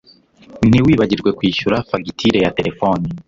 Ntiwibagirwe kwishyura fagitire ya terefone